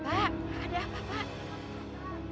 ada apa pak